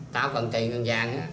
tao cần tiền tao cần vàng